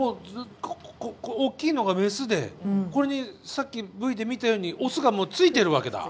おっきいのがメスでこれにさっきＶで見たようにオスがもうついているわけだ。